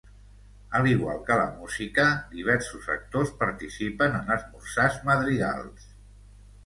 Al igual que la música, diversos actors participen en esmorzars madrigals.